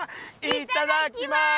いただきます。